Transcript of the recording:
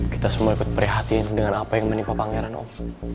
kita semua ikut prihatin dengan apa yang menimpa pangeran om